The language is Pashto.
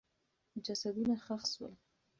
جسدونه ښخ سول.